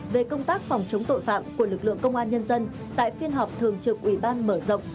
về công tác phòng chống tội phạm của lực lượng công an nhân dân tại phiên họp thường trực ủy ban mở rộng